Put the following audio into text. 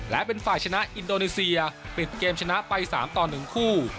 และเป็นฝ่ายชนะอินโดนีเซียปิดเกมชนะไป๓ต่อ๑คู่